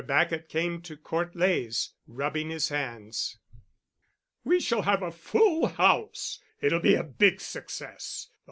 Bacot came to Court Leys, rubbing his hands. "We shall have a full house. It'll be a big success.